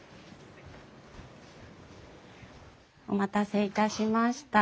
お待たせいたしました。